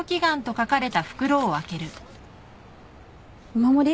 お守り？